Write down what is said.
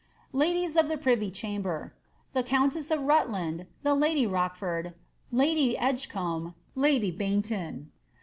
LadUe of the privy Chamber, The countess of Rutland. The lady Rochford. Lady Edgecombe. Lady Baynton.